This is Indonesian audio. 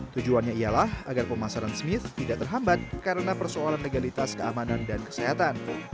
tujuannya ialah agar pemasaran smith tidak terhambat karena persoalan legalitas keamanan dan kesehatan